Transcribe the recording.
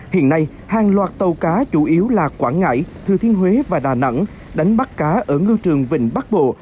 hiện nay hàng loạt tàu cá chủ yếu là quảng ngãi thừa thiên huế và đà nẵng đánh bắt cá ở ngư trường vịnh bắc bộ